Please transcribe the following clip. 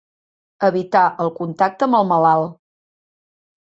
Evitar el contacte amb el malalt.